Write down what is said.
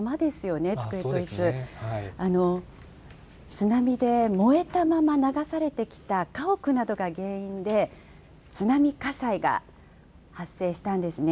津波で燃えたまま流されてきた家屋などが原因で、津波火災が発生したんですね。